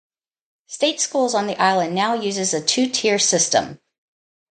State schools on the island now uses a two-tier system.